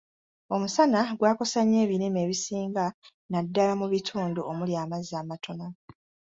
Omusana gwakosa nnyo ebirime ebisinga naddala mu bitundu omuli amazzi amatono.